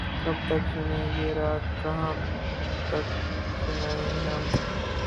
کب تک سنے گی رات کہاں تک سنائیں ہم